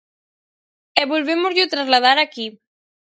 E volvémosllo trasladar aquí.